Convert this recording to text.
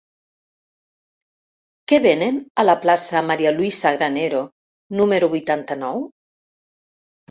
Què venen a la plaça de María Luisa Granero número vuitanta-nou?